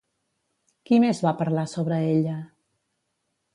Qui més va parlar sobre ella?